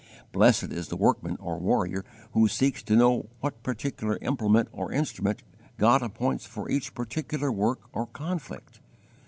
Blessed is the workman or warrior who seeks to know what particular implement or instrument God appoints for each particular work or conflict.